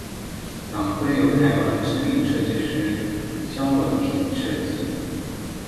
党徽由台湾知名设计师萧文平设计。